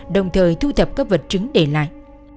đồng thời thu thập các vật chứng để lại